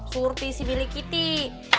surti sih milik kita